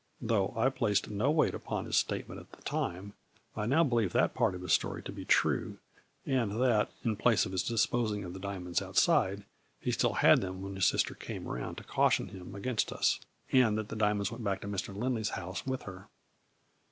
Though I placed no weight upon his statement at the time, I now believe that part of his story to be true, and, that, in place of his disposing of the diamonds outside, he still had them when his sister came around to caution him against us, and that the diamonds went back to Mr. Lindley's house with her."